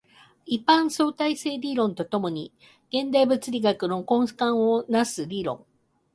一般相対性理論と共に現代物理学の根幹を成す理論